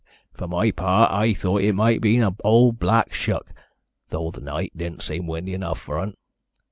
For my part, I thowt it might a' been ole Black Shuck, thow th' night didn't seem windy enough for un."